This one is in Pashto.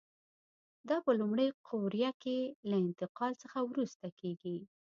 دا په لومړۍ قوریه کې له انتقال څخه وروسته کېږي.